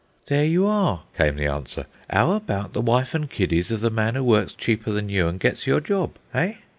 "There you are," came the answer. "How about the wife and kiddies of the man who works cheaper than you and gets your job? Eh?